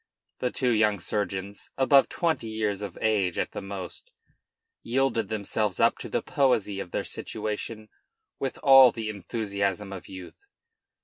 The two young surgeons, about twenty years of age at the most, yielded themselves up to the poesy of their situation with all the enthusiasm of youth.